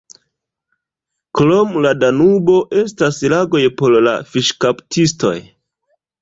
Krom la Danubo estas lagoj por la fiŝkaptistoj.